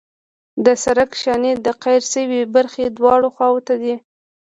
د سرک شانې د قیر شوې برخې دواړو خواو ته دي